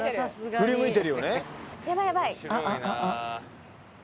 振り向いてるよね？